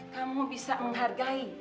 kamu bisa menghargai